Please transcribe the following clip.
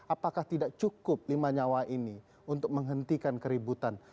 apakah tidak cukup lima nyawa ini untuk menghentikan keributan